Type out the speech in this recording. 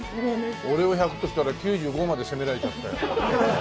俺を１００としたら９５まで迫られちゃったよ。